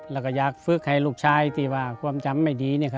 แล้วก็อยากฝึกให้ลูกชายที่ว่าความจำไม่ดี